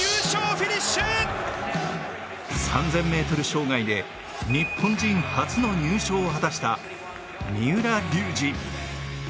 ３０００ｍ障害で日本人初の入賞を果たした三浦龍司。